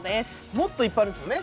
もっといっぱいあるんですもんね。